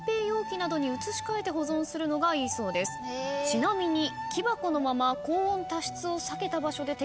ちなみに。